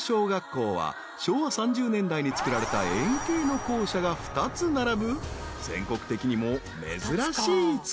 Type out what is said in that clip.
［昭和３０年代に造られた円形の校舎が２つ並ぶ全国的にも珍しい造り］